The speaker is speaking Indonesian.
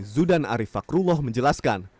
zudan arief fakrullah menjelaskan